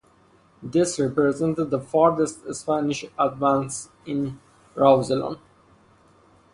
This represented the farthest Spanish advance in Rousillon.